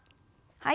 はい。